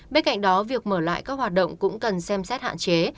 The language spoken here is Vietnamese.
bên cạnh đó việc mở lại các hoạt động cũng cần xem xét hạn chế